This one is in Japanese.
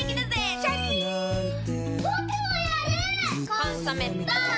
「コンソメ」ポン！